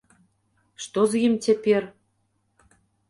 Што з ім цяпер?